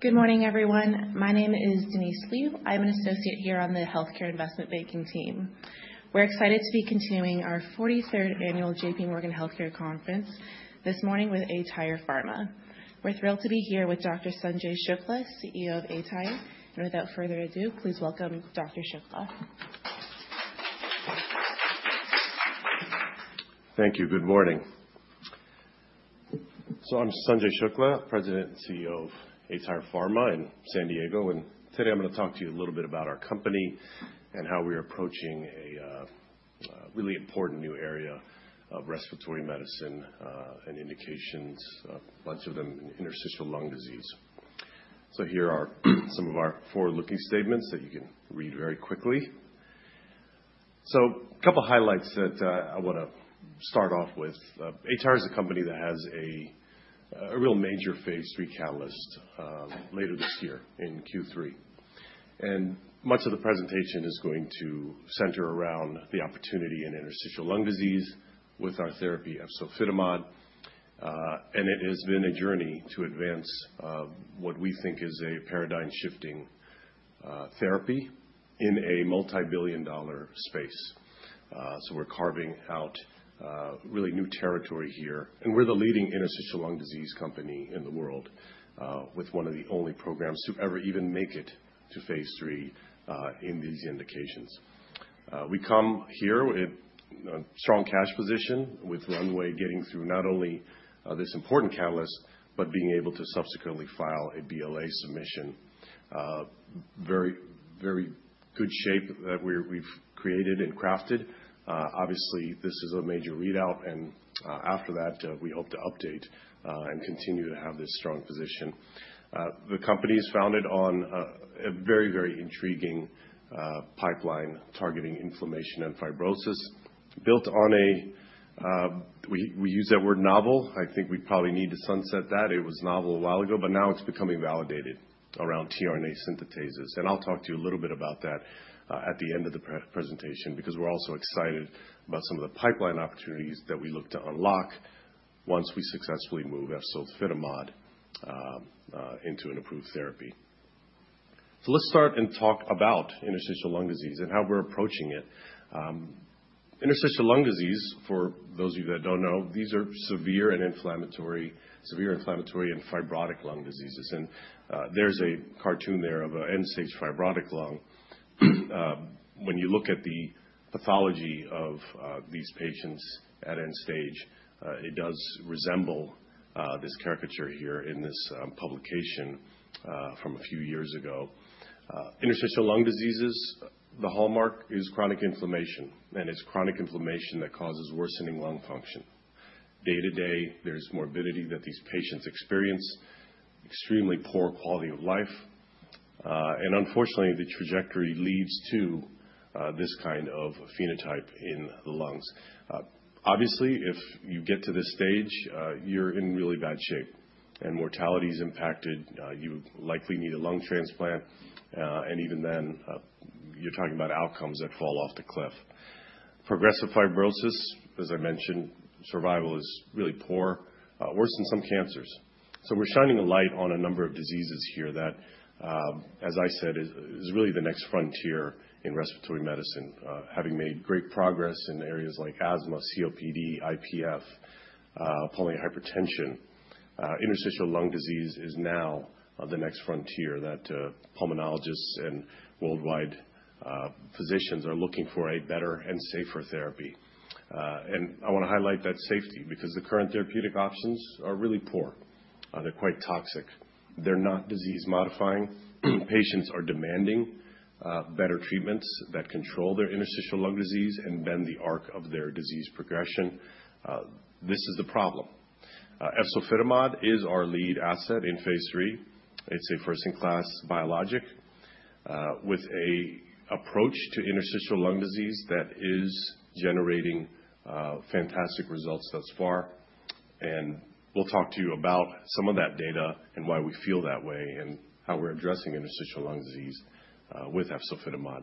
Good morning, everyone. My name is Denise Lee. I'm an associate here on the Healthcare Investment Banking team. We're excited to be continuing our 43rd annual J.P. Morgan Healthcare Conference this morning with aTyr Pharma. We're thrilled to be here with Dr. Sanjay Shukla, CEO of aTyr. And without further ado, please welcome Dr. Shukla. Thank you. Good morning. So I'm Sanjay Shukla, President and CEO of aTyr Pharma in San Diego. And today I'm going to talk to you a little bit about our company and how we're approaching a really important new area of respiratory medicine and indications, a bunch of them in interstitial lung disease. So here are some of our forward-looking statements that you can read very quickly. So a couple of highlights that I want to start off with. aTyr is a company that has a real major Phase 3 catalyst later this year in Q3. And much of the presentation is going to center around the opportunity in interstitial lung disease with our therapy of efzofitimod. And it has been a journey to advance what we think is a paradigm-shifting therapy in a multibillion-dollar space. So we're carving out really new territory here. We're the leading interstitial lung disease company in the world, with one of the only programs to ever even make it to Phase 3 in these indications. We come here with a strong cash position, with runway getting through not only this important catalyst, but being able to subsequently file a BLA submission. Very, very good shape that we've created and crafted. Obviously, this is a major readout. After that, we hope to update and continue to have this strong position. The company is founded on a very, very intriguing pipeline targeting inflammation and fibrosis, built on a, we use that word novel. I think we probably need to sunset that. It was novel a while ago, but now it's becoming validated around tRNA synthetases. And I'll talk to you a little bit about that at the end of the presentation, because we're also excited about some of the pipeline opportunities that we look to unlock once we successfully move our efzofitimod into an approved therapy. So let's start and talk about interstitial lung disease and how we're approaching it. Interstitial lung disease, for those of you that don't know, these are severe and inflammatory and fibrotic lung diseases. And there's a cartoon there of an end-stage fibrotic lung. When you look at the pathology of these patients at end stage, it does resemble this caricature here in this publication from a few years ago. Interstitial lung diseases, the hallmark is chronic inflammation. And it's chronic inflammation that causes worsening lung function. Day-to-day, there's morbidity that these patients experience, extremely poor quality of life. And unfortunately, the trajectory leads to this kind of phenotype in the lungs. Obviously, if you get to this stage, you're in really bad shape. And mortality is impacted. You likely need a lung transplant. And even then, you're talking about outcomes that fall off the cliff. Progressive fibrosis, as I mentioned, survival is really poor, worse in some cancers. So we're shining a light on a number of diseases here that, as I said, is really the next frontier in respiratory medicine, having made great progress in areas like asthma, COPD, IPF, pulmonary hypertension. Interstitial lung disease is now the next frontier that pulmonologists and worldwide physicians are looking for a better and safer therapy. And I want to highlight that safety, because the current therapeutic options are really poor. They're quite toxic. They're not disease-modifying. Patients are demanding better treatments that control their interstitial lung disease and bend the arc of their disease progression. This is the problem. Efzofitimod is our lead asset in Phase 3. It's a first-in-class biologic with an approach to interstitial lung disease that is generating fantastic results thus far, and we'll talk to you about some of that data and why we feel that way and how we're addressing interstitial lung disease with efzofitimod.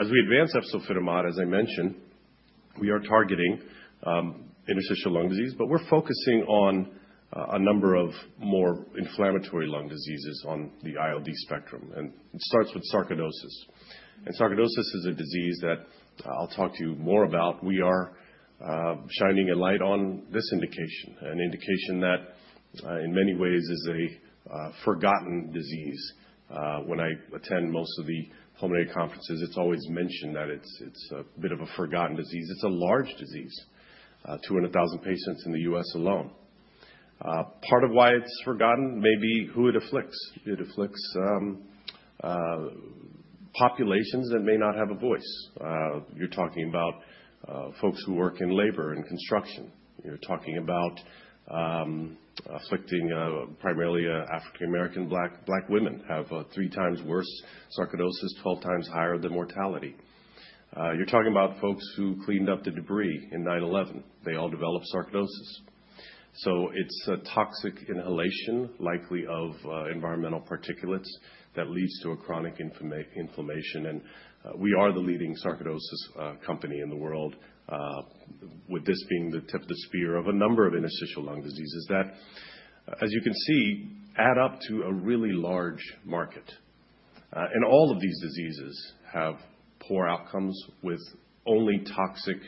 As we advance efzofitimod, as I mentioned, we are targeting interstitial lung disease, but we're focusing on a number of more inflammatory lung diseases on the ILD spectrum, and it starts with sarcoidosis. And sarcoidosis is a disease that I'll talk to you more about. We are shining a light on this indication, an indication that in many ways is a forgotten disease. When I attend most of the pulmonary conferences, it's always mentioned that it's a bit of a forgotten disease. It's a large disease, 200,000 patients in the U.S. alone. Part of why it's forgotten may be who it afflicts. It afflicts populations that may not have a voice. You're talking about folks who work in labor and construction. You're talking about afflicting primarily African-American Black women. They have three times worse sarcoidosis, 12 times higher the mortality. You're talking about folks who cleaned up the debris in 9/11. They all developed sarcoidosis. So it's a toxic inhalation, likely of environmental particulates, that leads to a chronic inflammation. And we are the leading sarcoidosis company in the world, with this being the tip of the spear of a number of interstitial lung diseases that, as you can see, add up to a really large market. All of these diseases have poor outcomes with only toxic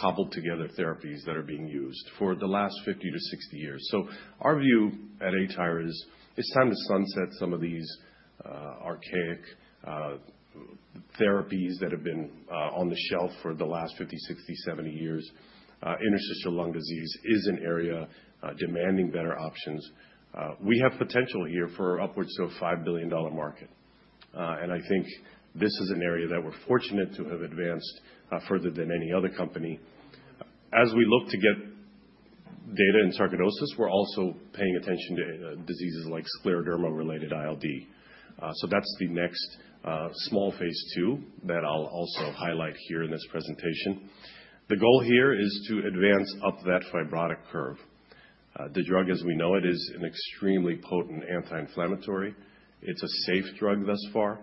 cobbled-together therapies that are being used for the last 50 to 60 years. Our view at aTyr is it's time to sunset some of these archaic therapies that have been on the shelf for the last 50, 60, 70 years. Interstitial lung disease is an area demanding better options. We have potential here for upwards of a $5 billion market. I think this is an area that we're fortunate to have advanced further than any other company. As we look to get data in sarcoidosis, we're also paying attention to diseases like scleroderma-related ILD. That's the next small Phase 2 that I'll also highlight here in this presentation. The goal here is to advance up that fibrotic curve. The drug, as we know it, is an extremely potent anti-inflammatory. It's a safe drug thus far.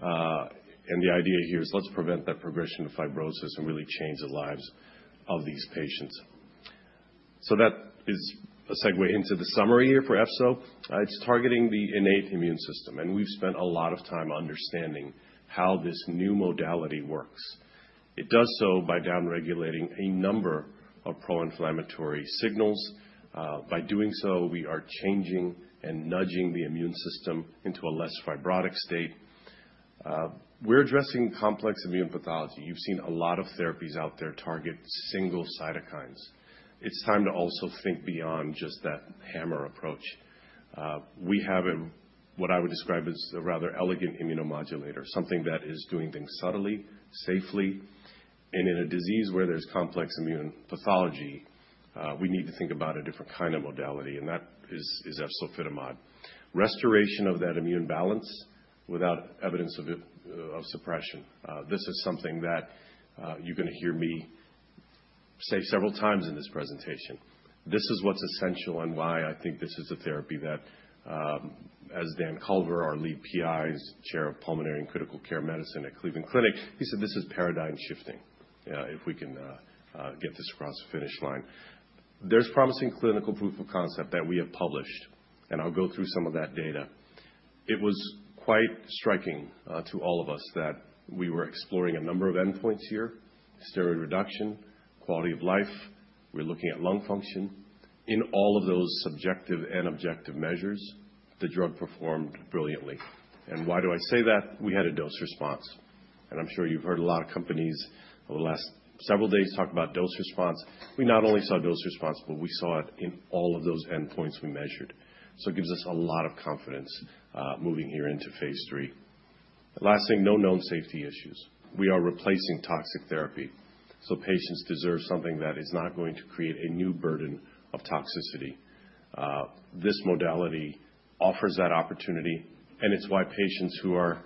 The idea here is let's prevent that progression of fibrosis and really change the lives of these patients. That is a segue into the summary here for efzofitimod. It's targeting the innate immune system. We've spent a lot of time understanding how this new modality works. It does so by downregulating a number of pro-inflammatory signals. By doing so, we are changing and nudging the immune system into a less fibrotic state. We're addressing complex immune pathology. You've seen a lot of therapies out there target single cytokines. It's time to also think beyond just that hammer approach. We have what I would describe as a rather elegant immunomodulator, something that is doing things subtly, safely. In a disease where there's complex immune pathology, we need to think about a different kind of modality. That is efzofitimod. Restoration of that immune balance without evidence of suppression. This is something that you're going to hear me say several times in this presentation. This is what's essential and why I think this is a therapy that, as Dan Culver, our lead PI, Chair of Pulmonary and Critical Care Medicine at Cleveland Clinic, he said, this is paradigm shifting if we can get this across the finish line. There's promising clinical proof of concept that we have published. And I'll go through some of that data. It was quite striking to all of us that we were exploring a number of endpoints here: steroid reduction, quality of life. We're looking at lung function. In all of those subjective and objective measures, the drug performed brilliantly. And why do I say that? We had a dose response. And I'm sure you've heard a lot of companies over the last several days talk about dose response. We not only saw dose response, but we saw it in all of those endpoints we measured. So it gives us a lot of confidence moving here into Phase 3. Last thing, no known safety issues. We are replacing toxic therapy. So patients deserve something that is not going to create a new burden of toxicity. This modality offers that opportunity. And it's why patients who are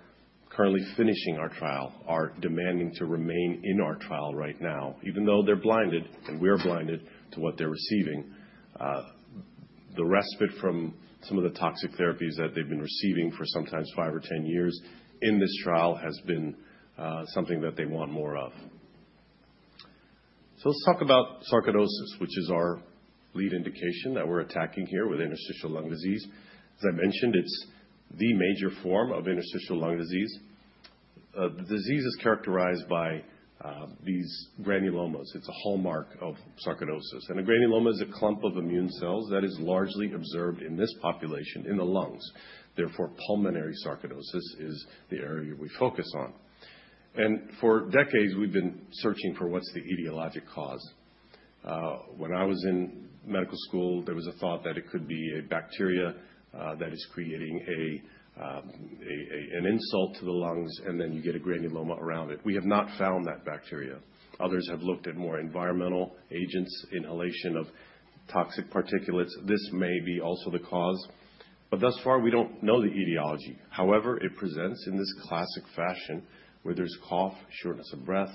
currently finishing our trial are demanding to remain in our trial right now, even though they're blinded and we are blinded to what they're receiving. The respite from some of the toxic therapies that they've been receiving for sometimes five or 10 years in this trial has been something that they want more of. So let's talk about sarcoidosis, which is our lead indication that we're attacking here with interstitial lung disease. As I mentioned, it's the major form of interstitial lung disease. The disease is characterized by these granulomas. It's a hallmark of sarcoidosis. And a granuloma is a clump of immune cells that is largely observed in this population in the lungs. Therefore, pulmonary sarcoidosis is the area we focus on. And for decades, we've been searching for what's the etiologic cause. When I was in medical school, there was a thought that it could be a bacteria that is creating an insult to the lungs, and then you get a granuloma around it. We have not found that bacteria. Others have looked at more environmental agents, inhalation of toxic particulates. This may be also the cause. But thus far, we don't know the etiology. However, it presents in this classic fashion where there's cough, shortness of breath,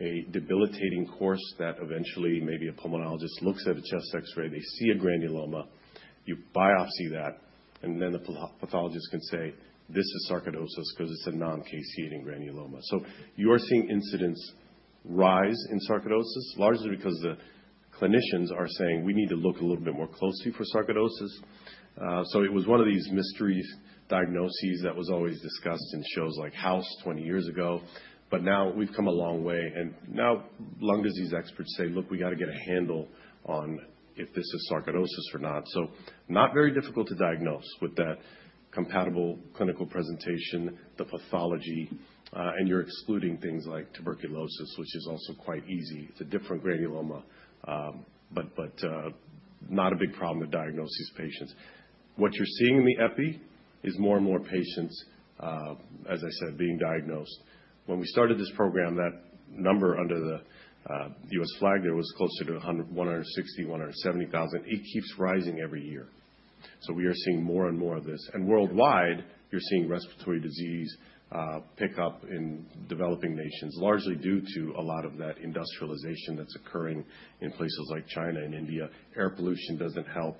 a debilitating course that eventually maybe a pulmonologist looks at a chest X-ray, they see a granuloma, you biopsy that, and then the pathologist can say, this is sarcoidosis because it's a non-caseating granuloma, so you are seeing incidence rise in sarcoidosis, largely because the clinicians are saying, we need to look a little bit more closely for sarcoidosis, so it was one of these mystery diagnoses that was always discussed in shows like House 20 years ago, but now we've come a long way, and now lung disease experts say, look, we got to get a handle on if this is sarcoidosis or not, so not very difficult to diagnose with that compatible clinical presentation, the pathology, and you're excluding things like tuberculosis, which is also quite easy. It's a different granuloma, but not a big problem to diagnose these patients. What you're seeing in the EPI is more and more patients, as I said, being diagnosed. When we started this program, that number under the U.S. flag there was closer to 160,000 to 170,000. It keeps rising every year. So we are seeing more and more of this. And worldwide, you're seeing respiratory disease pick up in developing nations, largely due to a lot of that industrialization that's occurring in places like China and India. Air pollution doesn't help.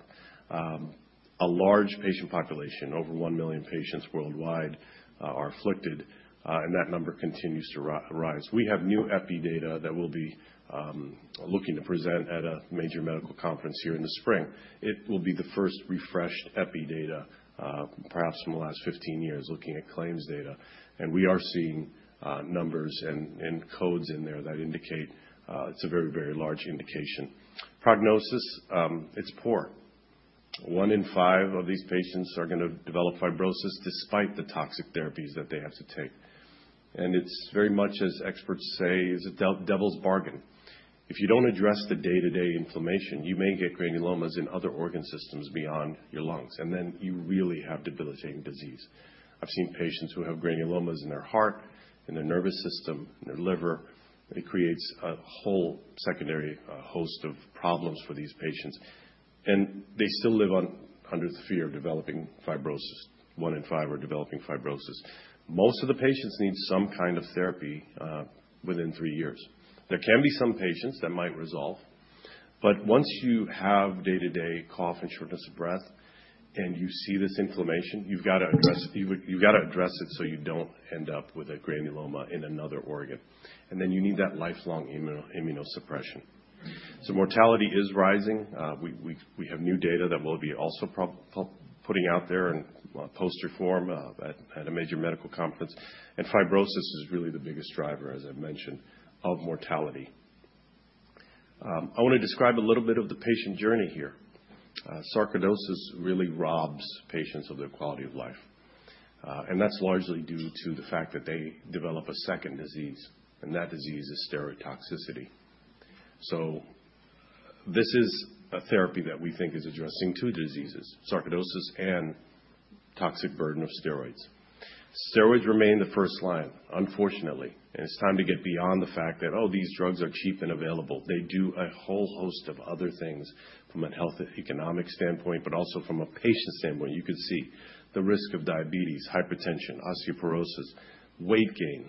A large patient population, over one million patients worldwide, are afflicted. And that number continues to rise. We have new EPI data that we'll be looking to present at a major medical conference here in the spring. It will be the first refreshed EPI data, perhaps in the last 15 years, looking at claims data. We are seeing numbers and codes in there that indicate it's a very, very large indication. Prognosis, it's poor. One in five of these patients are going to develop fibrosis despite the toxic therapies that they have to take. It's very much, as experts say, it's a devil's bargain. If you don't address the day-to-day inflammation, you may get granulomas in other organ systems beyond your lungs. Then you really have debilitating disease. I've seen patients who have granulomas in their heart, in their nervous system, in their liver. It creates a whole secondary host of problems for these patients. They still live under the fear of developing fibrosis. One in five are developing fibrosis. Most of the patients need some kind of therapy within three years. There can be some patients that might resolve. Once you have day-to-day cough and shortness of breath and you see this inflammation, you've got to address it so you don't end up with a granuloma in another organ. You need that lifelong immunosuppression. Mortality is rising. We have new data that we'll be also putting out there in poster form at a major medical conference. Fibrosis is really the biggest driver, as I mentioned, of mortality. I want to describe a little bit of the patient journey here. Sarcoidosis really robs patients of their quality of life. That's largely due to the fact that they develop a second disease. That disease is steroid toxicity. This is a therapy that we think is addressing two diseases, sarcoidosis and toxic burden of steroids. Steroids remain the first line, unfortunately. And it's time to get beyond the fact that, oh, these drugs are cheap and available. They do a whole host of other things from a health economic standpoint, but also from a patient standpoint. You could see the risk of diabetes, hypertension, osteoporosis, weight gain.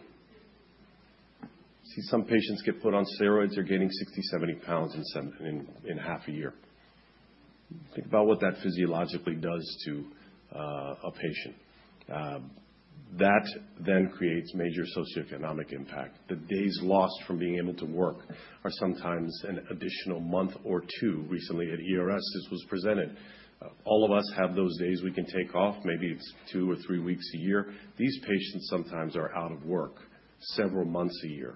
See, some patients get put on steroids. They're gaining 60 to 70 pounds in half a year. Think about what that physiologically does to a patient. That then creates major socioeconomic impact. The days lost from being able to work are sometimes an additional month or two. Recently, at ERS, this was presented. All of us have those days we can take off. Maybe it's two or three weeks a year. These patients sometimes are out of work several months a year.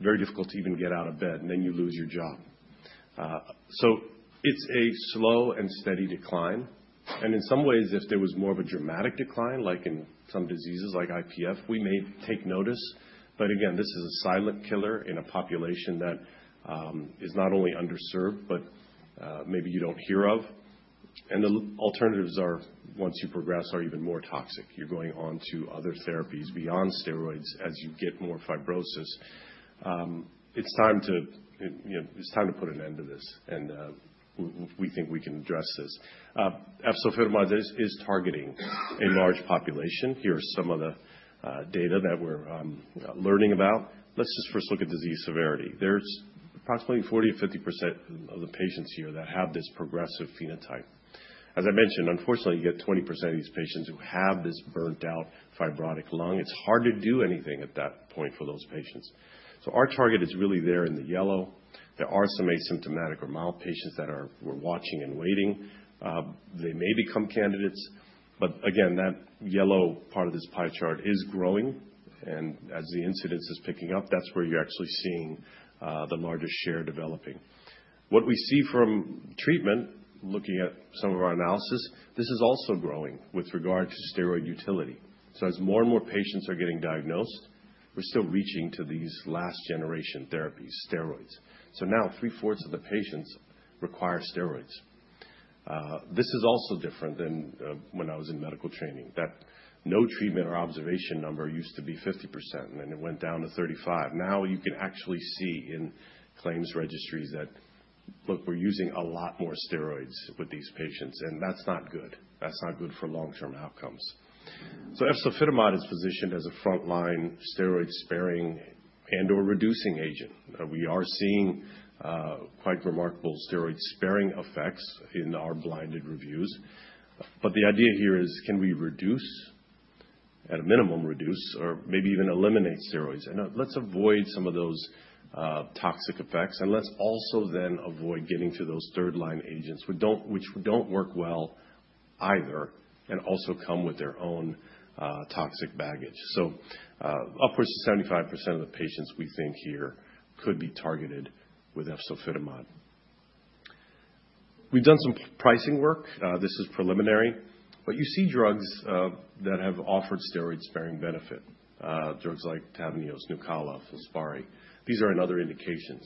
Very difficult to even get out of bed. And then you lose your job. So it's a slow and steady decline. In some ways, if there was more of a dramatic decline, like in some diseases like IPF, we may take notice. Again, this is a silent killer in a population that is not only underserved, but maybe you don't hear of. The alternatives are, once you progress, even more toxic. You're going on to other therapies beyond steroids as you get more fibrosis. It's time to put an end to this. We think we can address this. aTyr Pharma is targeting a large population. Here are some of the data that we're learning about. Let's just first look at disease severity. There's approximately 40% to 50% of the patients here that have this progressive phenotype. As I mentioned, unfortunately, you get 20% of these patients who have this burnt-out fibrotic lung. It's hard to do anything at that point for those patients. Our target is really there in the yellow. There are some asymptomatic or mild patients that we're watching and waiting. They may become candidates. But again, that yellow part of this pie chart is growing. And as the incidence is picking up, that's where you're actually seeing the larger share developing. What we see from treatment, looking at some of our analysis, this is also growing with regard to steroid utility. So as more and more patients are getting diagnosed, we're still reaching to these last-generation therapies, steroids. So now three-fourths of the patients require steroids. This is also different than when I was in medical training. That no treatment or observation number used to be 50%. And then it went down to 35%. Now you can actually see in claims registries that, look, we're using a lot more steroids with these patients. And that's not good. That's not good for long-term outcomes. So aTyr Pharma is positioned as a frontline steroid-sparing and/or reducing agent. We are seeing quite remarkable steroid-sparing effects in our blinded reviews. But the idea here is, can we reduce, at a minimum reduce, or maybe even eliminate steroids? And let's avoid some of those toxic effects. And let's also then avoid getting to those third-line agents, which don't work well either, and also come with their own toxic baggage. So upwards of 75% of the patients we think here could be targeted with aTyr Pharma. We've done some pricing work. This is preliminary. But you see drugs that have offered steroid-sparing benefit, drugs like Tavneos, Nucala, Fasenra. These are another indication.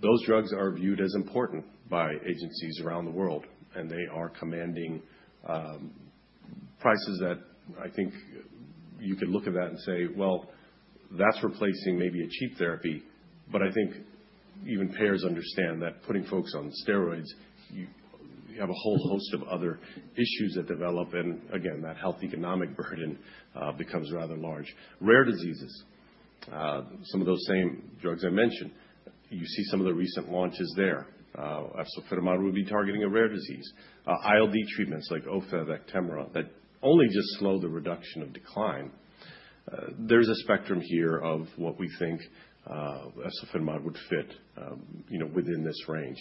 Those drugs are viewed as important by agencies around the world. And they are commanding prices that I think you could look at that and say, well, that's replacing maybe a cheap therapy. But I think even payers understand that putting folks on steroids, you have a whole host of other issues that develop. And again, that health economic burden becomes rather large. Rare diseases, some of those same drugs I mentioned, you see some of the recent launches there. Efzofitimod would be targeting a rare disease. ILD treatments like Ofev, Actemra, that only just slow the reduction of decline. There's a spectrum here of what we think efzofitimod would fit within this range.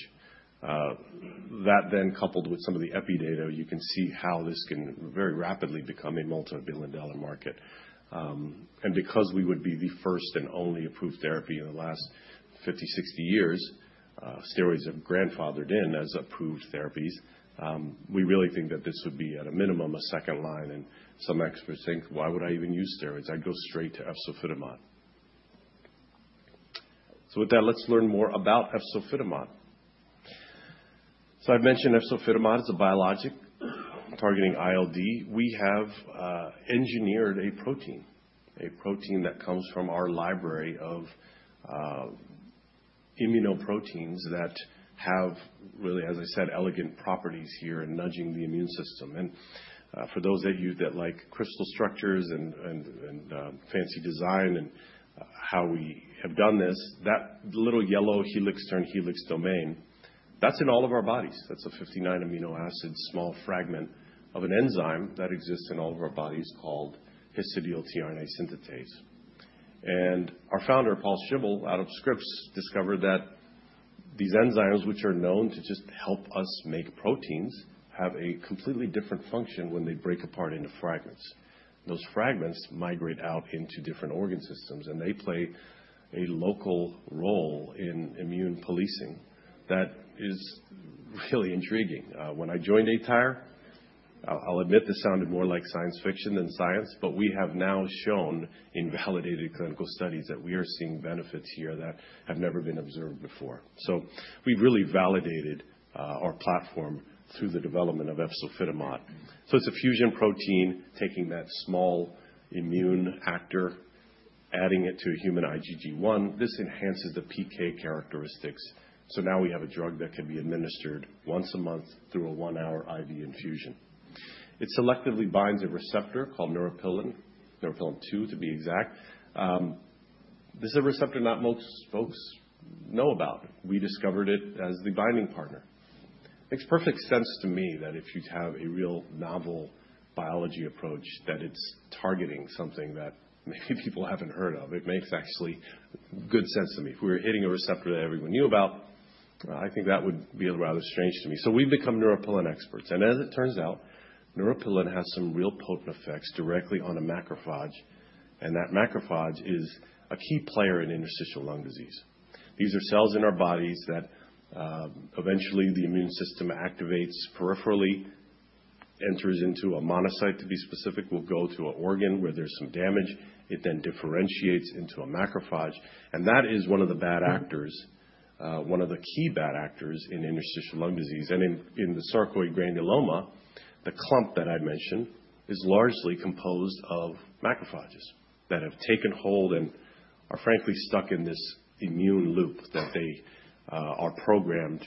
That then coupled with some of the EFZO data, you can see how this can very rapidly become a multi-billion-dollar market. And because we would be the first and only approved therapy in the last 50 to 60 years, steroids have grandfathered in as approved therapies. We really think that this would be, at a minimum, a second line. And some experts think, why would I even use steroids? I'd go straight to efzofitimod. So with that, let's learn more about efzofitimod. So I've mentioned efzofitimod is a biologic targeting ILD. We have engineered a protein, a protein that comes from our library of immunoproteins that have really, as I said, elegant properties here in nudging the immune system. And for those of you that like crystal structures and fancy design and how we have done this, that little yellow helix-turn-helix domain, that's in all of our bodies. That's a 59-amino-acid small fragment of an enzyme that exists in all of our bodies called histidyl-tRNA synthetase. And our founder, Paul Schimmel, out of Scripps Research, discovered that these enzymes, which are known to just help us make proteins, have a completely different function when they break apart into fragments. Those fragments migrate out into different organ systems. And they play a local role in immune policing. That is really intriguing. When I joined aTyr, I'll admit this sounded more like science fiction than science. But we have now shown in validated clinical studies that we are seeing benefits here that have never been observed before. So we've really validated our platform through the development of efzofitimod. So it's a fusion protein taking that small immune actor, adding it to a human IgG1. This enhances the PK characteristics. So now we have a drug that can be administered once a month through a one-hour IV infusion. It selectively binds a receptor called Neuropilin, Neuropilin-2, to be exact. This is a receptor not most folks know about. We discovered it as the binding partner. Makes perfect sense to me that if you have a real novel biology approach, that it's targeting something that maybe people haven't heard of. It makes actually good sense to me. If we were hitting a receptor that everyone knew about, I think that would be rather strange to me. So we've become Neuropilin-2 experts. And as it turns out, Neuropilin-2 has some real potent effects directly on a macrophage. And that macrophage is a key player in interstitial lung disease. These are cells in our bodies that eventually the immune system activates peripherally, enters into a monocyte, to be specific, will go to an organ where there's some damage. It then differentiates into a macrophage. That is one of the bad actors, one of the key bad actors in interstitial lung disease. In the sarcoid granuloma, the clump that I mentioned is largely composed of macrophages that have taken hold and are, frankly, stuck in this immune loop that they are programmed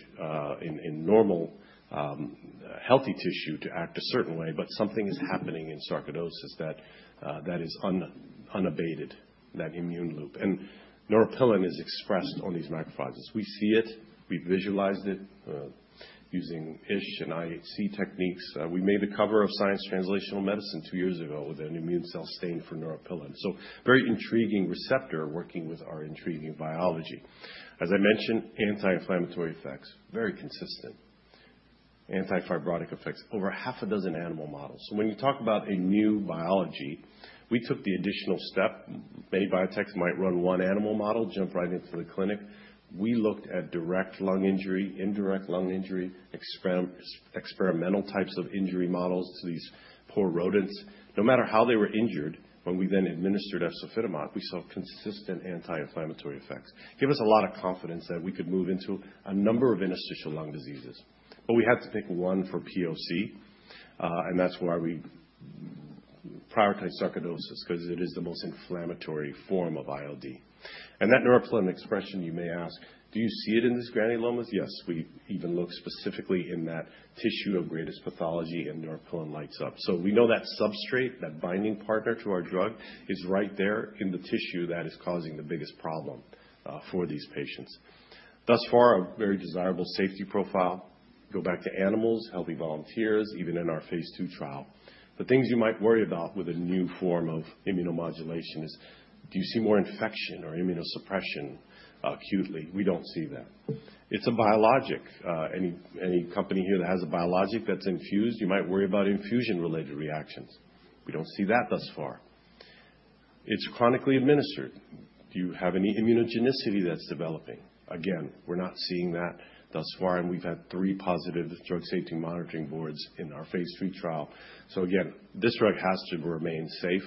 in normal healthy tissue to act a certain way. Something is happening in sarcoidosis that is unabated, that immune loop. Neuropilin is expressed on these macrophages. We see it. We've visualized it using ISH and IHC techniques. We made the cover of Science Translational Medicine two years ago with an immune cell stain for Neuropilin. Very intriguing receptor working with our intriguing biology. As I mentioned, anti-inflammatory effects, very consistent. Anti-fibrotic effects, over half a dozen animal models. When you talk about a new biology, we took the additional step. Many biotechs might run one animal model, jump right into the clinic. We looked at direct lung injury, indirect lung injury, experimental types of injury models to these poor rodents. No matter how they were injured, when we then administered efzofitimod, we saw consistent anti-inflammatory effects. Gave us a lot of confidence that we could move into a number of interstitial lung diseases, but we had to pick one for POC. That's why we prioritized sarcoidosis, because it is the most inflammatory form of ILD. That Neuropilin expression, you may ask, do you see it in these granulomas? Yes. We even look specifically in that tissue of greatest pathology and Neuropilin lights up. So we know that substrate, that binding partner to our drug, is right there in the tissue that is causing the biggest problem for these patients. Thus far, a very desirable safety profile. Go back to animals, healthy volunteers, even in our Phase 2 trial. The things you might worry about with a new form of immunomodulation is, do you see more infection or immunosuppression acutely? We don't see that. It's a biologic. Any company here that has a biologic that's infused, you might worry about infusion-related reactions. We don't see that thus far. It's chronically administered. Do you have any immunogenicity that's developing? Again, we're not seeing that thus far, and we've had three positive drug safety monitoring boards in our Phase 3 trial. So again, this drug has to remain safe,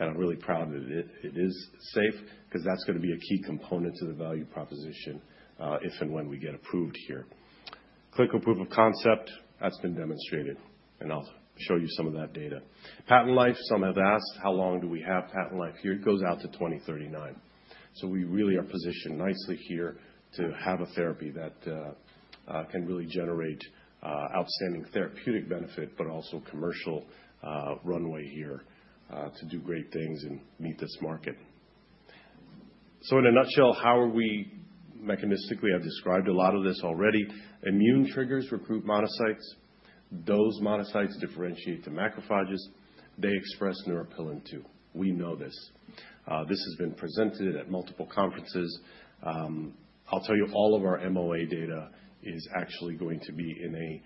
and I'm really proud that it is safe, because that's going to be a key component to the value proposition if and when we get approved here. Clinical proof of concept, that's been demonstrated, and I'll show you some of that data. Patent life, some have asked, how long do we have patent life here? It goes out to 2039. So we really are positioned nicely here to have a therapy that can really generate outstanding therapeutic benefit, but also commercial runway here to do great things and meet this market. So in a nutshell, how are we mechanistically? I've described a lot of this already. Immune triggers recruit monocytes. Those monocytes differentiate the macrophages. They express Neuropilin-2. We know this. This has been presented at multiple conferences. I'll tell you, all of our MOA data is actually going to be in a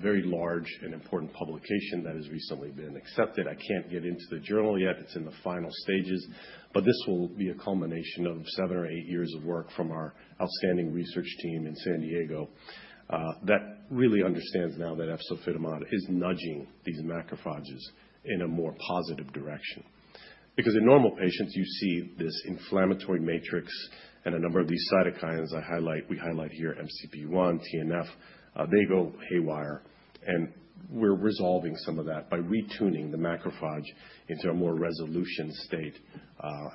very large and important publication that has recently been accepted. I can't get into the journal yet. It's in the final stages. This will be a culmination of seven or eight years of work from our outstanding research team in San Diego that really understands now that aTyr Pharma is nudging these macrophages in a more positive direction. Because in normal patients, you see this inflammatory matrix and a number of these cytokines I highlight. We highlight here MCP-1, TNF. They go haywire. And we're resolving some of that by retuning the macrophage into a more resolution state.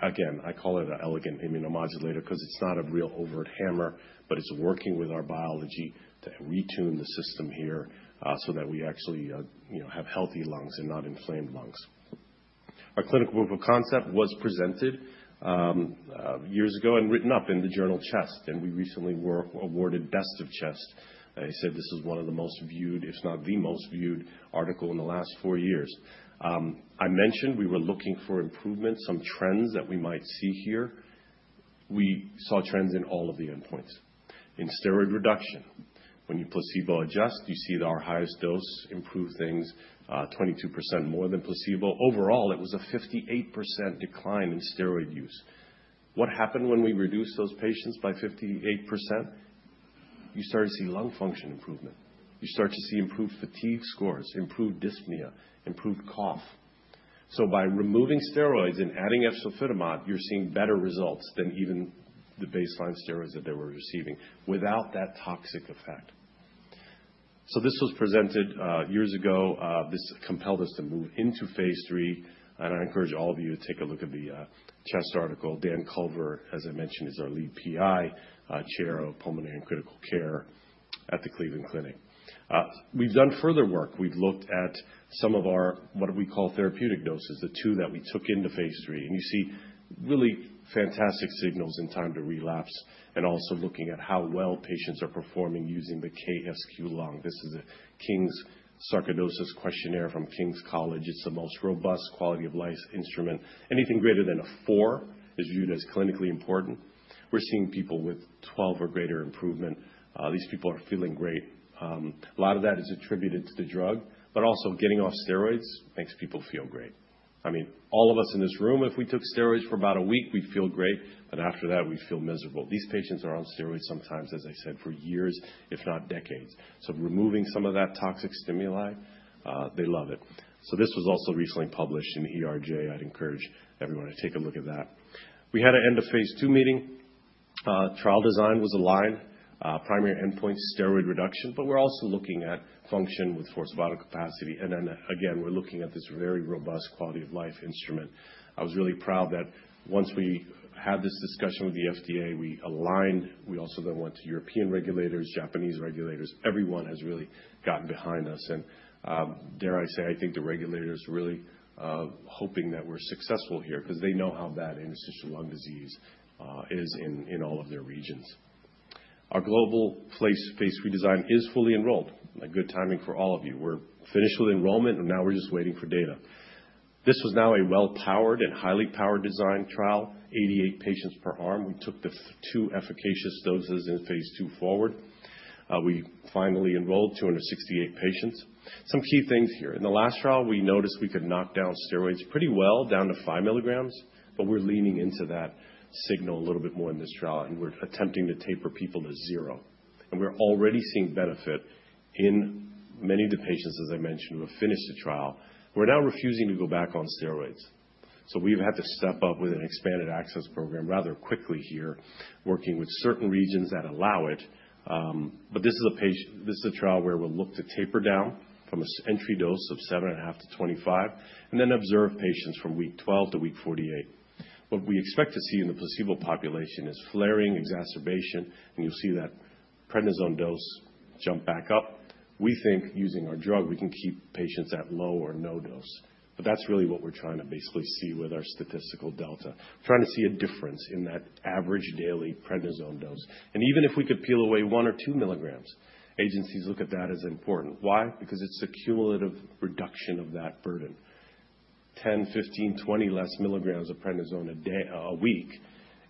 Again, I call it an elegant immunomodulator, because it's not a real overt hammer. But it's working with our biology to retune the system here so that we actually have healthy lungs and not inflamed lungs. Our clinical proof of concept was presented years ago and written up in the journal Chest. And we recently were awarded Best of Chest. They said this is one of the most viewed, if not the most viewed, articles in the last four years. I mentioned we were looking for improvements, some trends that we might see here. We saw trends in all of the endpoints. In steroid reduction, when you placebo adjust, you see that our highest dose improved things 22% more than placebo. Overall, it was a 58% decline in steroid use. What happened when we reduced those patients by 58%? You started to see lung function improvement. You start to see improved fatigue scores, improved dyspnea, improved cough, so by removing steroids and adding efzofitimod, you're seeing better results than even the baseline steroids that they were receiving without that toxic effect, so this was presented years ago. This compelled us to move into Phase 3. I encourage all of you to take a look at the Chest article. Dan Culver, as I mentioned, is our lead PI, chair of pulmonary and critical care at the Cleveland Clinic. We've done further work. We've looked at some of our what we call therapeutic doses, the two that we took into Phase 3. You see really fantastic signals in time to relapse and also looking at how well patients are performing using the KSQ-Lung. This is a King's Sarcoidosis Questionnaire from King's College London. It's the most robust quality of life instrument. Anything greater than a four is viewed as clinically important. We're seeing people with 12 or greater improvement. These people are feeling great. A lot of that is attributed to the drug, but also getting off steroids makes people feel great. I mean, all of us in this room, if we took steroids for about a week, we'd feel great. But after that, we'd feel miserable. These patients are on steroids sometimes, as I said, for years, if not decades. So removing some of that toxic stimuli, they love it. So this was also recently published in ERJ. I'd encourage everyone to take a look at that. We had an end of Phase 2 meeting. Trial design was aligned. Primary endpoint, steroid reduction. But we're also looking at function with forced vital capacity. And then again, we're looking at this very robust quality of life instrument. I was really proud that once we had this discussion with the FDA, we aligned. We also then went to European regulators, Japanese regulators. Everyone has really gotten behind us. Dare I say, I think the regulators are really hoping that we're successful here, because they know how bad interstitial lung disease is in all of their regions. Our global Phase 3 design is fully enrolled. Good timing for all of you. We're finished with enrollment. And now we're just waiting for data. This was now a well-powered and highly powered design trial, 88 patients per arm. We took the two efficacious doses in Phase 2 forward. We finally enrolled 268 patients. Some key things here. In the last trial, we noticed we could knock down steroids pretty well down to 5 mg. But we're leaning into that signal a little bit more in this trial. And we're attempting to taper people to zero. And we're already seeing benefit in many of the patients, as I mentioned, who have finished the trial. We're now refusing to go back on steroids. So we've had to step up with an expanded access program rather quickly here, working with certain regions that allow it. But this is a trial where we'll look to taper down from an entry dose of 7.5 to 25 and then observe patients from week 12 to week 48. What we expect to see in the placebo population is flaring, exacerbation. And you'll see that prednisone dose jump back up. We think using our drug, we can keep patients at low or no dose. But that's really what we're trying to basically see with our statistical delta. We're trying to see a difference in that average daily prednisone dose. And even if we could peel away one or 2 mg, agencies look at that as important. Why? Because it's a cumulative reduction of that burden. 10, 15, 20 less milligrams of prednisone a week,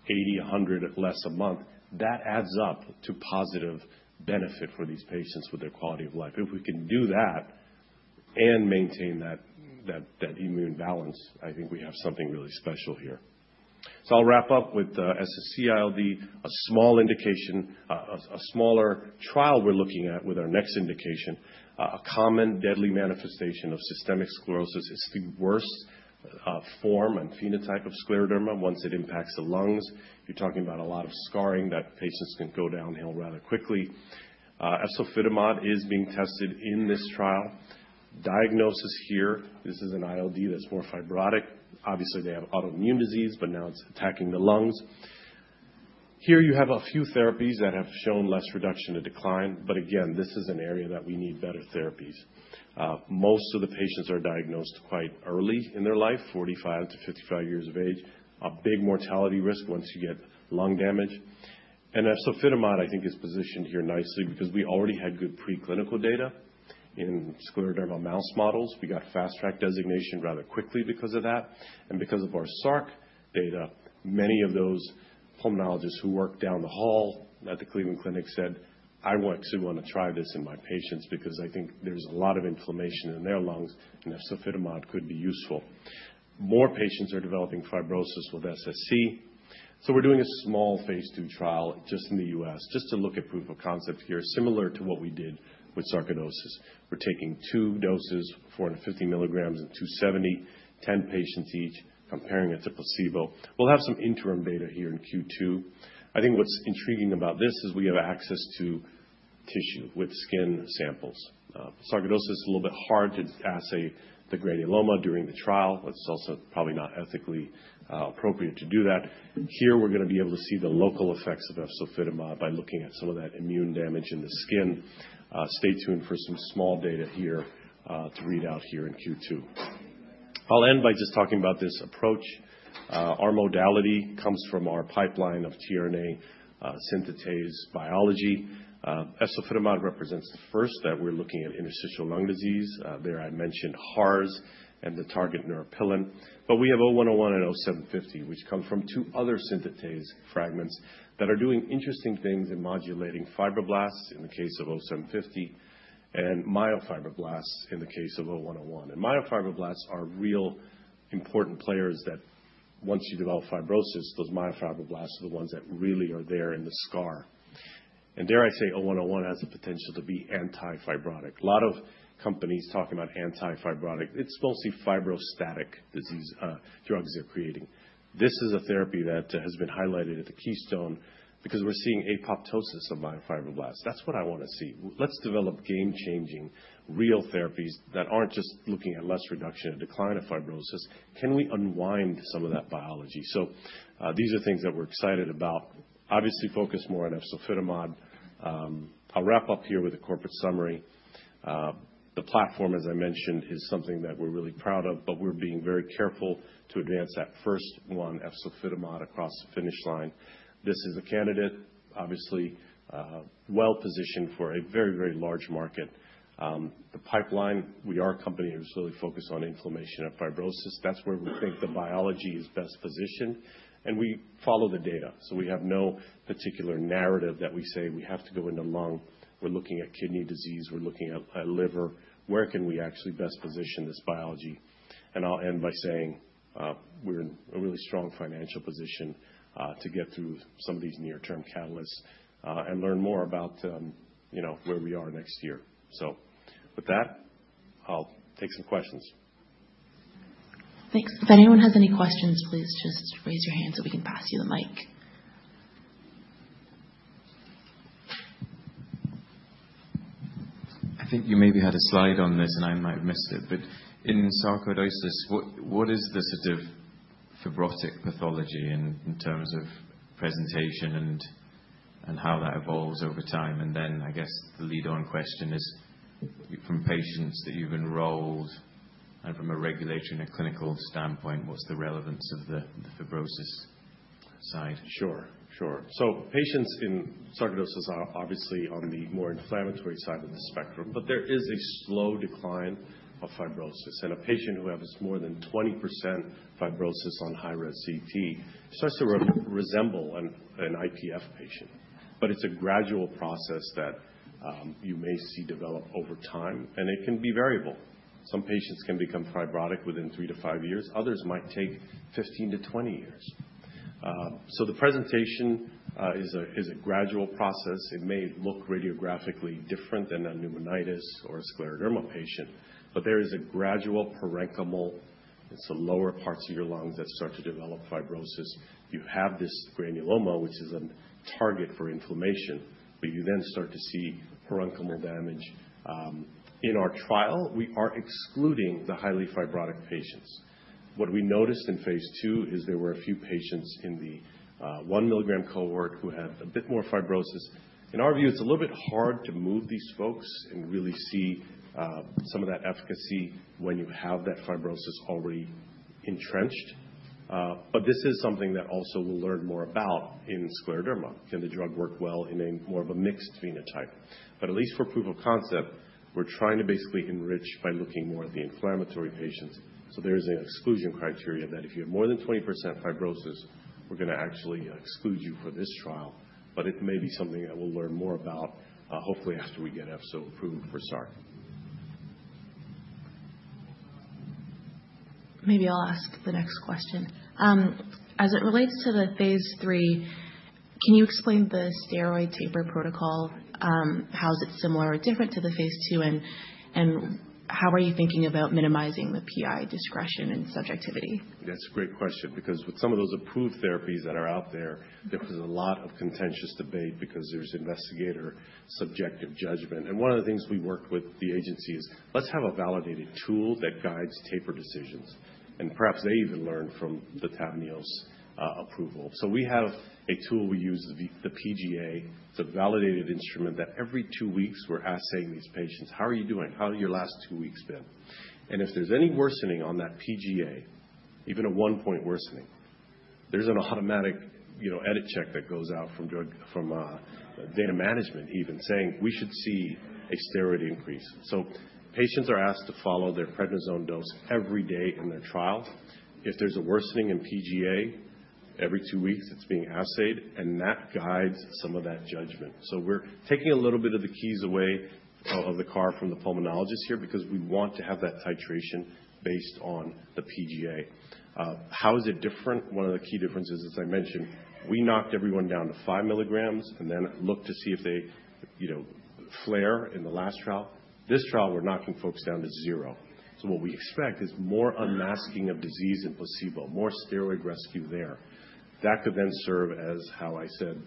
80, 100 less a month, that adds up to positive benefit for these patients with their quality of life. If we can do that and maintain that immune balance, I think we have something really special here. I'll wrap up with SSc-ILD, a smaller trial we're looking at with our next indication. A common deadly manifestation of systemic sclerosis is the worst form and phenotype of scleroderma. Once it impacts the lungs, you're talking about a lot of scarring that patients can go downhill rather quickly. aTyr Pharma is being tested in this trial. Diagnosis here, this is an ILD that's more fibrotic. Obviously, they have autoimmune disease. But now it's attacking the lungs. Here you have a few therapies that have shown less reduction and decline. But again, this is an area that we need better therapies. Most of the patients are diagnosed quite early in their life, 45 to 55 years of age. A big mortality risk once you get lung damage. And efzofitimod, I think, is positioned here nicely, because we already had good preclinical data in scleroderma mouse models. We got Fast Track designation rather quickly because of that. And because of our SARC data, many of those pulmonologists who work down the hall at the Cleveland Clinic said, "I actually want to try this in my patients, because I think there's a lot of inflammation in their lungs. And efzofitimod could be useful." More patients are developing fibrosis with SSc. So we're doing a small Phase 2 trial just in the U.S., just to look at proof of concept here, similar to what we did with sarcoidosis. We're taking two doses, 450 mg and 270, 10 patients each, comparing it to placebo. We'll have some interim data here in Q2. I think what's intriguing about this is we have access to tissue with skin samples. Sarcoidosis is a little bit hard to assay the granuloma during the trial. It's also probably not ethically appropriate to do that. Here we're going to be able to see the local effects of efzofitimod by looking at some of that immune damage in the skin. Stay tuned for some small data here to read out here in Q2. I'll end by just talking about this approach. Our modality comes from our pipeline of tRNA synthetase biology. Efzofitimod represents the first that we're looking at interstitial lung disease. There I mentioned HARS and the target Neuropilin. But we have 0101 and 0750, which come from two other synthetase fragments that are doing interesting things in modulating fibroblasts in the case of 0750 and myofibroblasts in the case of 0101. And myofibroblasts are real important players that once you develop fibrosis, those myofibroblasts are the ones that really are there in the scar. And dare I say, 0101 has the potential to be anti-fibrotic. A lot of companies talk about anti-fibrotic. It's mostly fibrostatic drugs they're creating. This is a therapy that has been highlighted at the Keystone, because we're seeing apoptosis of myofibroblasts. That's what I want to see. Let's develop game-changing, real therapies that aren't just looking at less reduction and decline of fibrosis. Can we unwind some of that biology? So these are things that we're excited about, obviously focused more on aTyr Pharma. I'll wrap up here with a corporate summary. The platform, as I mentioned, is something that we're really proud of. But we're being very careful to advance that first one, efzofitimod, across the finish line. This is a candidate, obviously well positioned for a very, very large market. The pipeline, we are a company that is really focused on inflammation and fibrosis. That's where we think the biology is best positioned. And we follow the data. So we have no particular narrative that we say we have to go into lung. We're looking at kidney disease. We're looking at liver. Where can we actually best position this biology? And I'll end by saying we're in a really strong financial position to get through some of these near-term catalysts and learn more about where we are next year. So with that, I'll take some questions. Thanks. If anyone has any questions, please just raise your hand so we can pass you the mic. I think you maybe had a slide on this, and I might have missed it. But in sarcoidosis, what is the sort of fibrotic pathology in terms of presentation and how that evolves over time? And then I guess the lead-on question is, from patients that you've enrolled and from a regulatory and a clinical standpoint, what's the relevance of the fibrosis side? Sure, sure. Patients in sarcoidosis are obviously on the more inflammatory side of the spectrum. There is a slow decline of fibrosis. A patient who has more than 20% fibrosis on high-res CT starts to resemble an IPF patient. It is a gradual process that you may see develop over time. It can be variable. Some patients can become fibrotic within three to five years. Others might take 15 to 20 years. The presentation is a gradual process. It may look radiographically different than a pneumonitis or a scleroderma patient. There is a gradual parenchymal involvement in some lower parts of your lungs that start to develop fibrosis. You have this granuloma, which is a target for inflammation. You then start to see parenchymal damage. In our trial, we are excluding the highly fibrotic patients. What we noticed in Phase 2 is there were a few patients in the one milligram cohort who had a bit more fibrosis. In our view, it's a little bit hard to move these folks and really see some of that efficacy when you have that fibrosis already entrenched. But this is something that also we'll learn more about in scleroderma. Can the drug work well in more of a mixed phenotype? But at least for proof of concept, we're trying to basically enrich by looking more at the inflammatory patients. So there is an exclusion criteria that if you have more than 20% fibrosis, we're going to actually exclude you for this trial. But it may be something that we'll learn more about, hopefully after we get efzofitimod approved for sarcoidosis. Maybe I'll ask the next question. As it relates to the Phase 3, can you explain the steroid taper protocol? How is it similar or different to the Phase 2? And how are you thinking about minimizing the PI discretion and subjectivity? That's a great question, because with some of those approved therapies that are out there, there was a lot of contentious debate, because there's investigator subjective judgment, and one of the things we worked with the agency is, let's have a validated tool that guides taper decisions, and perhaps they even learn from the Tavneos approval, so we have a tool we use, the PGA, it's a validated instrument that every two weeks we're assaying these patients. How are you doing? How have your last two weeks been? And if there's any worsening on that PGA, even a one-point worsening, there's an automatic edit check that goes out from data management, even saying we should see a steroid increase, so patients are asked to follow their prednisone dose every day in their trial. If there's a worsening in PGA every two weeks, it's being assayed. That guides some of that judgment. So we're taking a little bit of the keys away of the car from the pulmonologist here, because we want to have that titration based on the PGA. How is it different? One of the key differences, as I mentioned, we knocked everyone down to 5 mg and then looked to see if they flare in the last trial. This trial, we're knocking folks down to zero. So what we expect is more unmasking of disease in placebo, more steroid rescue there. That could then serve as, how I said,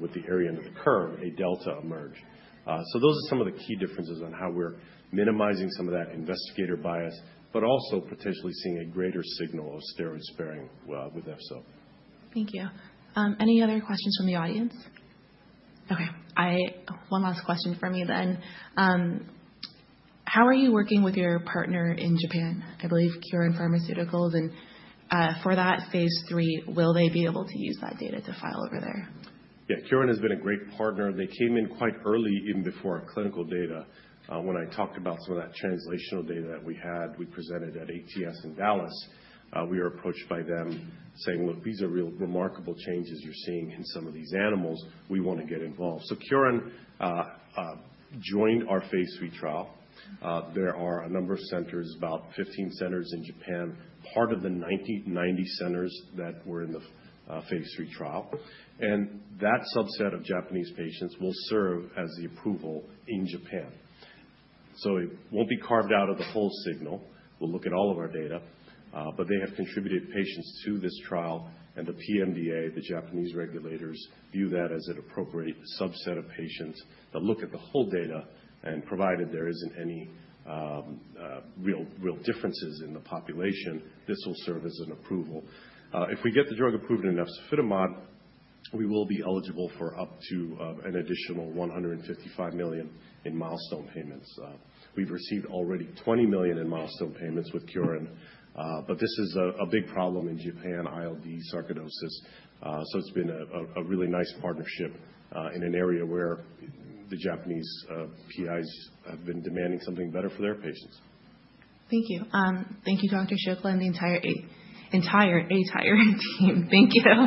with the area under the curve, a delta emerge. So those are some of the key differences on how we're minimizing some of that investigator bias, but also potentially seeing a greater signal of steroid sparing with efzofitimod. Thank you. Any other questions from the audience? OK. One last question for me then. How are you working with your partner in Japan? I believe Kyorin Pharmaceuticals. And for that Phase 3, will they be able to use that data to file over there? Yeah, Kyorin has been a great partner. They came in quite early, even before our clinical data. When I talked about some of that translational data that we had, we presented at ATS in Dallas. We were approached by them saying, look, these are real remarkable changes you're seeing in some of these animals. We want to get involved. So Kyorin joined our Phase 3 trial. There are a number of centers, about 15 centers in Japan, part of the 90 centers that were in the Phase 3 trial. That subset of Japanese patients will serve as the approval in Japan. So it won't be carved out of the whole signal. We'll look at all of our data. But they have contributed patients to this trial. And the PMDA, the Japanese regulators, view that as an appropriate subset of patients that look at the whole data. Provided there isn't any real differences in the population, this will serve as an approval. If we get the drug approved in aTyr Pharma, we will be eligible for up to an additional $155 million in milestone payments. We've received already $20 million in milestone payments with Kyorin. This is a big problem in Japan, ILD, sarcoidosis. It's been a really nice partnership in an area where the Japanese PIs have been demanding something better for their patients. Thank you. Thank you, Dr. Shukla, and the entire aTyr team. Thank you.